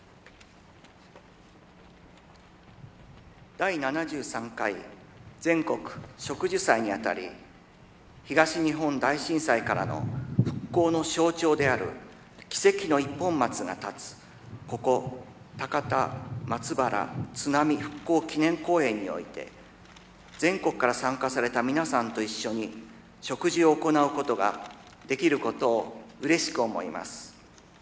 第７３回全国植樹祭にあたり東日本大震災からの復興の象徴である「奇跡の一本松」が立つここ「高田松原津波復興祈念公園」において全国から参加された皆さんと一緒に植樹を行うことができることをうれしく思います。